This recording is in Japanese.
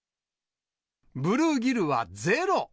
ブルーギルはゼロ。